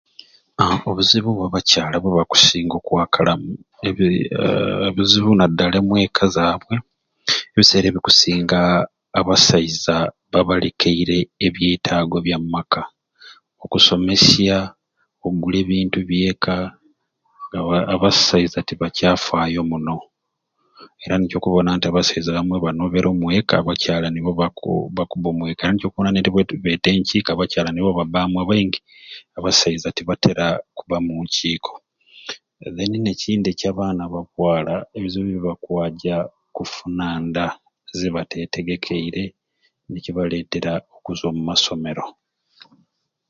Haaa obuzibu bwa bakyala bwe abakusinga okwakalamu haaaa obuzibu nadala omweka zabwe ebiseera ebikusinga abasaiza babalekeyire ebyetaago bya mu maka okusomyesya okugula ebintu byeka haa abasaiza tebakyafayo muno era nikyo okubona nti abasiza abamwei banobere omweka abakyala nibo nibo bakuba omweka nikyo okubona netweta ekiiko abakyala nibo babaamu abaingi abasaiza tebatera kuba omunkikio then nikyindi ekya baana babwala ebizibu bye bakwaja kufuna nda zebatetegekeyire nekibaletera okuzwa omu masomero